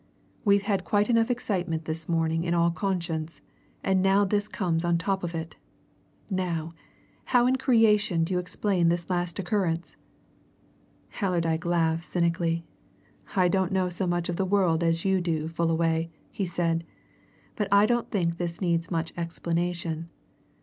We've had quite enough excitement this morning in all conscience, and now this comes on top of it. Now, how in creation do you explain this last occurrence?" Allerdyke laughed cynically. "I don't know so much of the world as you do, Fullaway," he said, "but I don't think this needs much explanation.